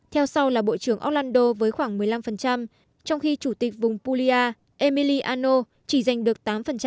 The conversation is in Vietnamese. theo sau là bộ trưởng orlando với khoảng một mươi năm trong khi chủ tịch vùng puglia emiliano chỉ giành được tám